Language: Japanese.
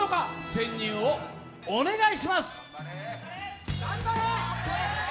潜入をお願いします！